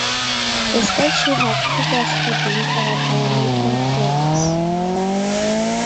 The statue had previously been covered by American flags.